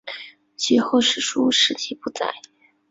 其后史书事迹不载。